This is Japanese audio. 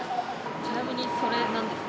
ちなみにそれなんですか？